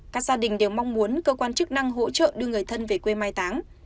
các gia đình đều mong muốn cơ quan chức năng hỗ trợ đưa người thân về quê mai táng